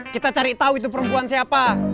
kita cari tahu itu perempuan siapa